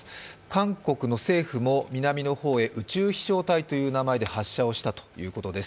韓国の政府も南の方へ宇宙飛翔体という名前で発射をしたということです。